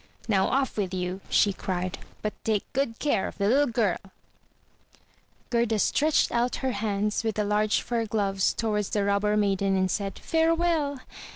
"Now off with you/' she cried, "but take good care of the Uttle girlV* Gerda stretched out her hands with the large fur gloves towards the Robber maiden, and said, "Farewell!'